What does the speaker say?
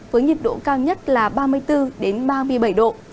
với nhiệt độ cao nhất là ba mươi bốn ba mươi bảy độ